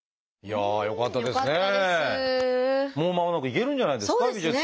もうまもなく行けるんじゃないですか美術館ね。